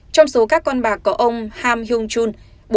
trong số các con bạc có ông ham yong chun